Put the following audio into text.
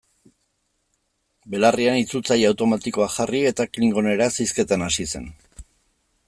Belarrian itzultzaile automatikoa jarri eta klingoneraz hizketan hasi zen.